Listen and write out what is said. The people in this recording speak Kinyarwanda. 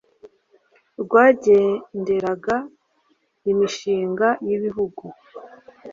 rwagenderaga imigisha y’ibihugu,